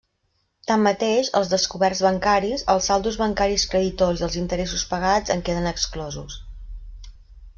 Tanmateix, els descoberts bancaris, els saldos bancaris creditors i els interessos pagats en queden exclosos.